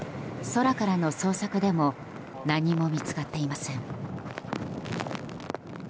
空からの捜索でも何も見つかっていません。